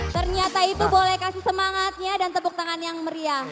ternyata itu boleh kasih semangatnya dan tepuk tangan yang meriah